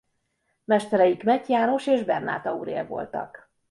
Mesterei Kmetty János és Bernáth Aurél voltak.